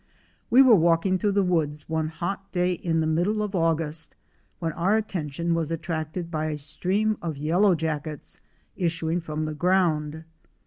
We were walking through the woods one hot day in the middle of August when our attention was attracted by a stream of yellow jackets issuing from the ground.